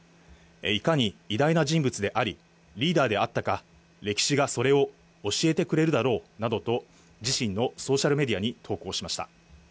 いかに偉大な人物であり、リーダーであったか、歴史がそれを教えてくれるだろうなどと、自身のソーシャルメディアに投稿しました。